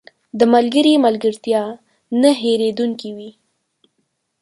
• د ملګري ملګرتیا نه هېریدونکې وي.